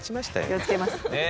気をつけます。ね。